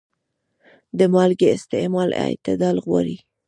د مالګې استعمال اعتدال غواړي.